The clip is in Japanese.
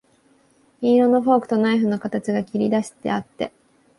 銀色のフォークとナイフの形が切りだしてあって、